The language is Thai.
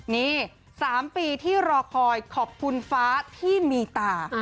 นี่๓ปีที่รอคอยขอบคุณฟ้าที่มีตา